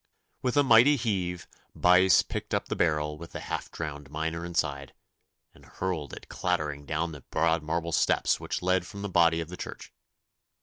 With a mighty heave Buyse picked up the barrel with the half drowned miner inside, and hurled it clattering down the broad marble steps which led from the body of the church.